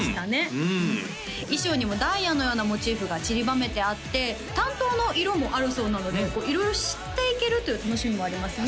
うんうん衣装にもダイヤのようなモチーフがちりばめてあって担当の色もあるそうなので色々知っていけるという楽しみもありますね